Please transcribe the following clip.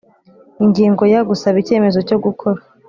Ingingo ya Gusaba icyemezo cyo gukora